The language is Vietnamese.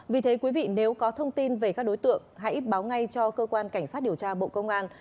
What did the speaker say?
vì thế quý vị nếu có thông tin về các đối tượng hãy báo ngay cho cơ quan cảnh sát điều tra bộ công an